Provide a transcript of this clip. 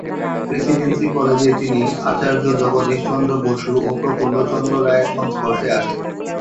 Presidency কলেজে তিনি আচার্য জগদীশ চন্দ্র বসু ও প্রফুল্লচন্দ্র রায়ের সংস্পর্শে আসেন।